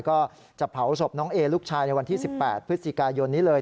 ก็จะเผาศพน้องเอลูกชายในวันที่๑๘พฤศจิกายนนี้เลย